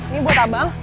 nih buat abang